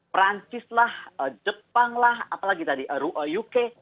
perancis lah jepang lah apa lagi tadi uk